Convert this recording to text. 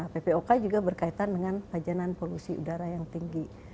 ppok juga berkaitan dengan pajanan polusi udara yang tinggi